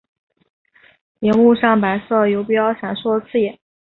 萤幕上白色游标闪烁刺眼